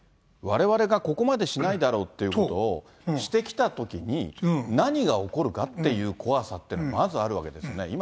われわれがここまでしないだろうっていうことをしてきたときに、何が起こるかっていう怖さって、まずあるわけですよね。